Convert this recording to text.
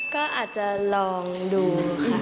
ก็อาจจะลองดูค่ะ